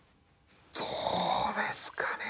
どうですかね